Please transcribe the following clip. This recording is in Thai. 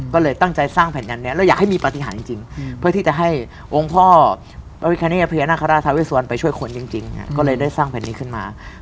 ก็เลยตั้งใจสร้างแผ่นยันนี้แล้วอยากให้มีปฏิหารจริงเพื่อที่จะให้องค์พ่อพระพิคเนตพญานาคาราชทาเวสวรรณไปช่วยคนจริงก็เลยได้สร้างแผ่นนี้ขึ้นมา